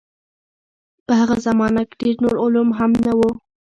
په هغه زمانه کې ډېر نور علوم هم نه وو.